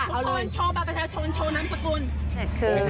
ทุกคนโชว์ประชาชนโชว์น้ำสกุล